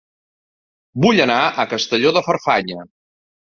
Vull anar a Castelló de Farfanya